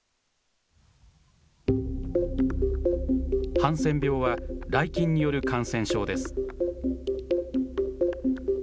ハンセン病は、らい菌による感染症です。